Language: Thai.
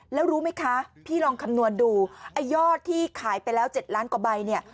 แล้วรู้ไหมคะพี่ลองคำนวณดูไอ้ยอดที่ขายไปแล้ว๗ล้านกว่าใบเนี่ย